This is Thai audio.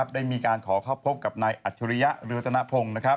ได้มีการขอเข้าพบกับนายอัจฉริยะเรือรัตนพงศ์